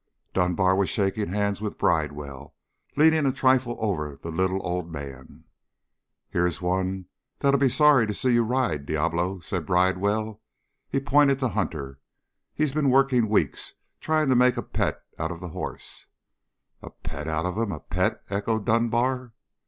Dunbar was shaking hands with Bridewell, leaning a trifle over the little old man. "Here's one that'll be sorry to see you ride Diablo," said Bridewell. He pointed to Hunter. "He's been working weeks, trying to make a pet out of the hoss." "A pet out of him? A pet?" echoed Dunbar.